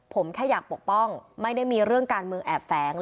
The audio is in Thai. ผมแค่อยากปกป้องไม่ได้มีเรื่องการเมืองแอบแฝง